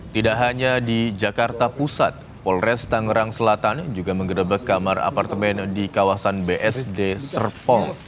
tidak hanya di jakarta pusat polres tangerang selatan juga menggerebek kamar apartemen di kawasan bsd serpong